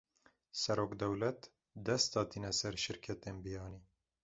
Serokdewlet, dest datîne ser şîrketên biyanî